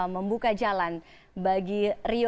membuka jalan bagi rio